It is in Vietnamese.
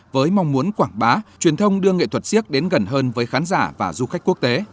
với mong muốn quảng bá truyền thông đưa nghệ thuật siếc đến gần hơn với khán giả và du khách quốc tế